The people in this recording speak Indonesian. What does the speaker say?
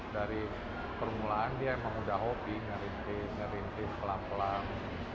dari permulaan dia emang udah hobi ngerintis ngerintis pelan pelan